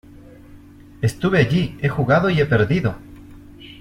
¡ estuve allí, he jugado y he perdido!